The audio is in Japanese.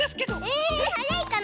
えはやいかな？